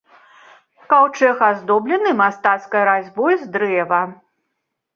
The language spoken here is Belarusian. Каўчэг аздоблены мастацкай разьбой з дрэва.